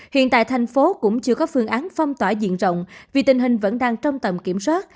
hiện tại thành phố cũng chưa có phương án phong tỏa diện rộng vì tình hình vẫn đang trong tầm kiểm soát